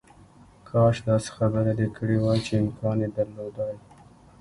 کاش داسې خبره دې کړې وای چې امکان یې درلودای